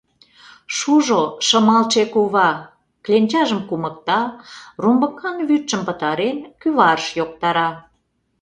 Шужо, Шымалче кува!.. — кленчажым кумыкта, румбыкан вӱдшым, пытарен, кӱварыш йоктара.